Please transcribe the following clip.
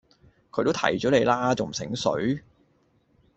佢都提左你啦！仲唔醒水